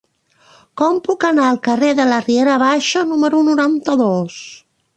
Com puc anar al carrer de la Riera Baixa número noranta-dos?